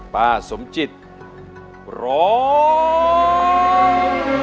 ป้าสมจิตร้อง